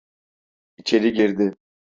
İçeri girdi.